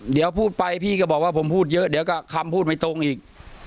เดี๋ยวพูดไปพี่ก็บอกว่าผมพูดเยอะเดี๋ยวก็คำพูดไม่ตรงอีก